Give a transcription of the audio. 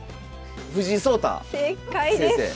藤井聡太先生！